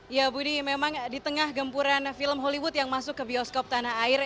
ya budi memang di tengah gempuran film hollywood yang masuk ke bioskop tanah air